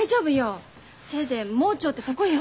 せいぜい盲腸ってとこよ。